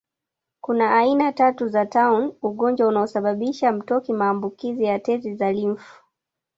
kuna aina tatu za tauni ugonjwa unaosababisha mtoki maambukizi ya tezi za limfu